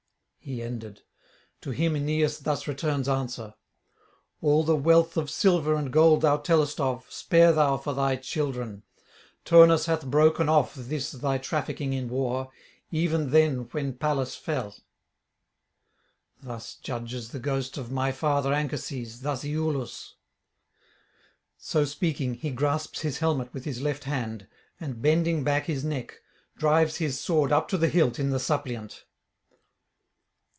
He ended; to him Aeneas thus returns answer: 'All the wealth of silver and gold thou tellest of, spare thou for thy children. Turnus hath broken off this thy trafficking in war, even then when Pallas fell. Thus judges the ghost of my father Anchises, thus Iülus.' So speaking, he grasps his helmet with his left hand, and, bending back his neck, drives his [536 572]sword up to the hilt in the suppliant.